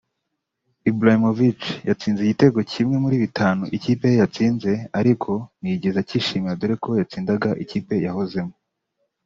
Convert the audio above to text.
Ibrahimovic yatsinze igitego kimwe muri bitanu ikipe ye yatsinze ariko ntiyigeze acyishimira dore ko yatsindaga ikipe yahozemo